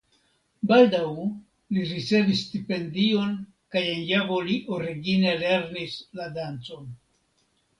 Baldaŭ li ricevis stipendion kaj en Javo li origine lernis la dancon.